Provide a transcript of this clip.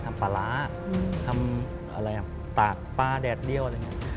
ทำปลาร้าทำตากปลาแดดเดี้ยวอะไรอย่างนี้